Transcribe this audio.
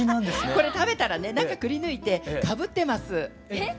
これ食べたらね中くりぬいてかぶってます。